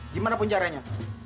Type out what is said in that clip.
gimana pun caranya